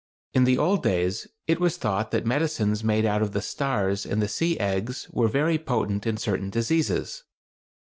In the old days it was thought that medicines made out of the "stars" and the "sea eggs" were very potent in certain diseases.